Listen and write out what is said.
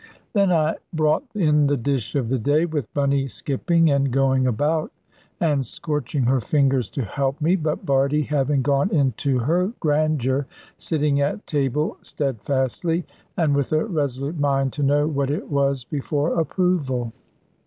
Then I brought in the dish of the day, with Bunny skipping and going about, and scorching her fingers to help me; but Bardie (having gone into her grandeur) sitting at table steadfastly, and with a resolute mind to know what it was before approval.